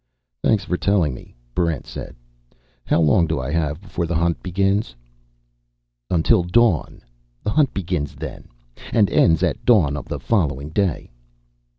"Thanks for telling me," Barrent said. "How long do I have before the Hunt begins?" "Until dawn. The Hunt begins then, and ends at dawn of the following day."